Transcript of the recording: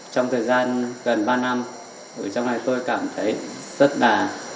trong thời gian gần ba năm trong này tôi cảm thấy rất là